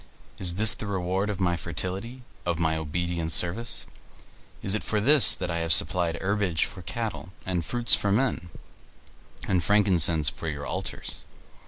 Is this the reward of my fertility, of my obedient service? Is it for this that I have supplied herbage for cattle, and fruits for men, and frankincense for your altars?